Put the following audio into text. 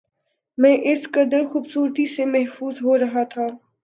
میں اس قدر خوبصورتی سے محظوظ ہو رہا تھا